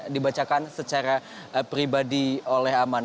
dibacakan secara pribadi oleh aman